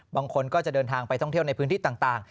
บางคนก็จะเดินทางไปท่องเที่ยวในพื้นที่ต่าง